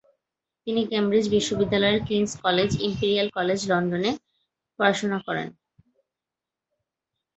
তিনি কেমব্রিজ বিশ্ববিদ্যালয়ের King's College, Imperial College লন্ডনে পড়াশোনা করেন।